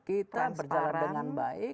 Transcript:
kita berjalan dengan baik